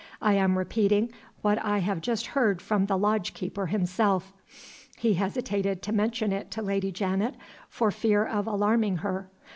"I am repeating what I have just heard from the lodge keeper himself. He hesitated to mention it to Lady Janet for fear of alarming her.